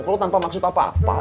kalau tanpa maksud apa apa